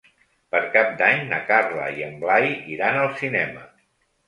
Per Cap d'Any na Carla i en Blai iran al cinema.